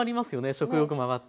食欲も上がって。